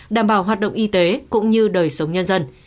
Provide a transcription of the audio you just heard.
đảm bảo hoạt động y tế cũng như đời sống nhân dân